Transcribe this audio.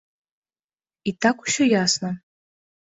І так усё ясна?